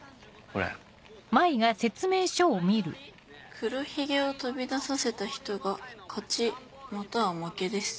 「黒ひげを飛び出させた人が勝ちまたは負けです。